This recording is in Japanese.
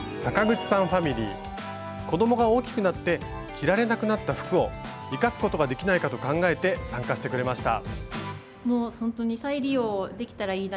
子どもが大きくなって着られなくなった服を生かすことができないかと考えて参加してくれました。